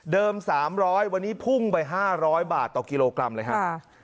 ๓๐๐วันนี้พุ่งไป๕๐๐บาทต่อกิโลกรัมเลยครับ